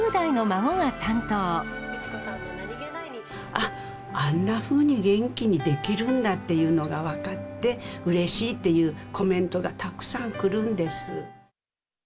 あっ、あんなふうに元気にできるんだっていうのが分かってうれしいっていうコメントがたくさん来るんです。